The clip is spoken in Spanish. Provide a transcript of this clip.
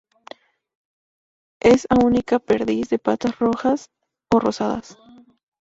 Es a única perdiz de patas rojas o rosadas.